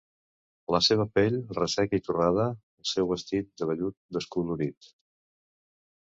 La seva pell resseca i torrada, el seu vestit de vellut descolorit